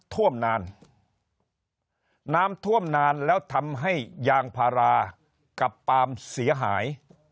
ท่วมนานน้ำท่วมนานแล้วทำให้ยางพารากับปาล์มเสียหาย